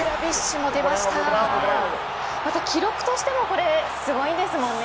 記録としてもすごいんですよね。